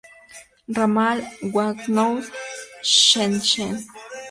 Ramal: Guangzhou-Shenzhen.